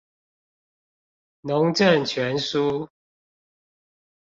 農政全書